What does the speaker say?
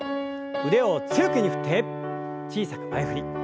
腕を強く振って小さく前振り。